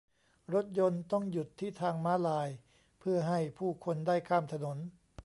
รถยนต์ต้องหยุดที่ทางม้าลายเพื่อให้ผู้คนได้ข้ามถนน